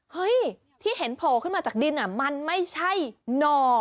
เฮ้ยที่เห็นโผล่ขึ้นมาจากดินมันไม่ใช่หน่อ